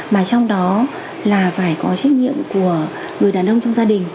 mà trong đó là phải có trách nhiệm của người đàn ông trong gia đình